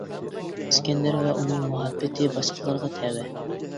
ئىسكەندەر ۋە ئۇنىڭ مۇھەببىتى باشقىلارغا تەۋە.